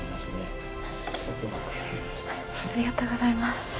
ありがとうございます。